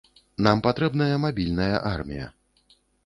Нам патрэбная мабільная армія.